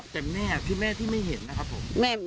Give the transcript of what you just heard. แต่แม่ที่ไม่เห็นนะครับผม